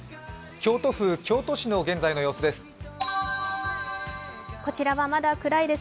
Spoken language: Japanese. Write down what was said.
京都府京都市の現在の様子です。